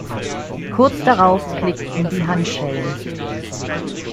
Kurz darauf klickten die Handschellen.